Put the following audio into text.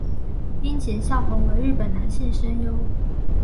樱井孝宏为日本男性声优。